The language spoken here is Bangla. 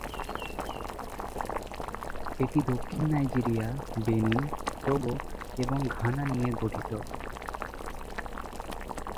এটি দক্ষিণ নাইজেরিয়া, বেনিন, টোগো এবং ঘানা নিয়ে গঠিত।